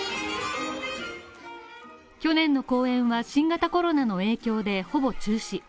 去年の公演は新型コロナの影響でほぼ中止。